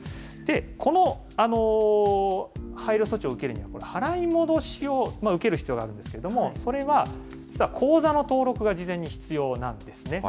この配慮措置を受けるにあたって、払い戻しを受ける必要があるんですけども、それは、実は口座の登録が事前に必要なんですね。